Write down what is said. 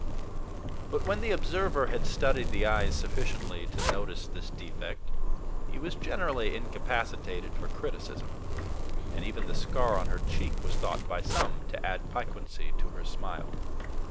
But when the observer had studied the eyes sufficiently to notice this defect, he was generally incapacitated for criticism; and even the scar on her cheek was thought by some to add piquancy to her smile.